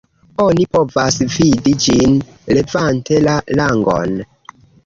Oni povas vidi ĝin levante la langon.